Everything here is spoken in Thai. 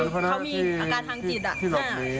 เขามีอาการทางจิตอะ